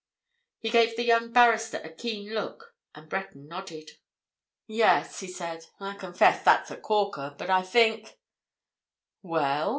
He gave the young barrister a keen look, and Breton nodded. "Yes," he said. "I confess that's a corker. But I think——" "Well?"